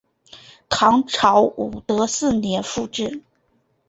唐朝武德四年复置。